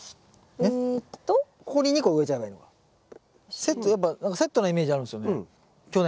セットやっぱなんかセットなイメージあるんですよね